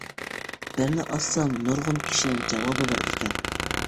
بىرىنى ئاچسام، نۇرغۇن كىشىنىڭ جاۋابى بار ئىكەن.